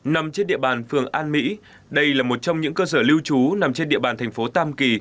nằm trên địa bàn phường an mỹ đây là một trong những cơ sở lưu trú nằm trên địa bàn thành phố tam kỳ